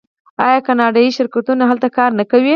آیا کاناډایی شرکتونه هلته کار نه کوي؟